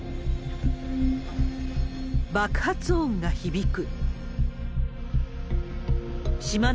爆発音が響く。